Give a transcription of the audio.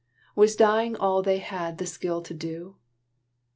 Was dying all they had the skill to do?